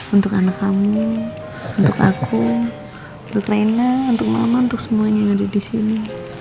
untuk anak kamu untuk aku untuk lena untuk mama untuk semuanya yang ada di sini